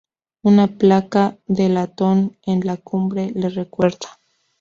Una placa de latón en la cumbre le recuerda.